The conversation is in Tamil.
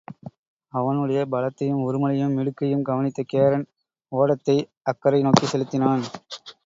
அவனுடைய பலத்தையும் உறுமலையும் மிடுக்கையும் கவனித்த கேரன், ஓடத்தை அக்கரை நோக்கிச் செலுத்தினான்.